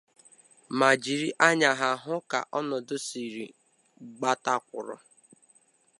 ma jiri anya ha hụ ka ọnọdụ siri gbata kwụrụ